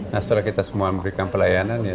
nah setelah kita semua memberikan pelayanan ya